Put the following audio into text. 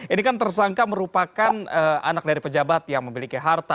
ini kan tersangka merupakan anak dari pejabat yang memiliki harta